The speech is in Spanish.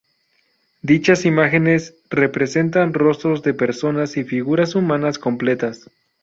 Dichas imágenes representan rostros de personas y figuras humanas completas.